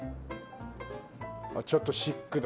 ちょっとシックだ。